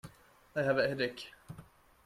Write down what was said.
I have a headache.